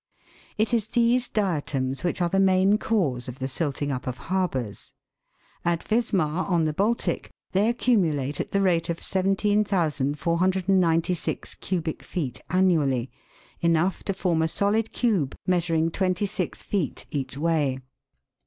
It is these diatoms which are the main cause of the silting up of harbours. At Wismar, on the Baltic, they accumulate at the rate of 17,496 cubic feet annually, enough to form a solid cube measuring twenty six feet each way.